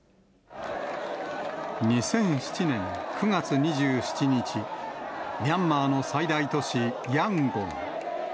２００７年９月２７日、ミャンマーの最大都市ヤンゴン。